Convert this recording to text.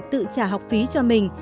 tự trả học phí cho mình